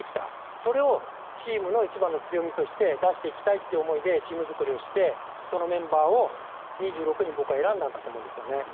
それをチームの強みとして出していきたいという思いでチーム作りをしてそのメンバーを２６人僕は選んだんだと思うんですよね。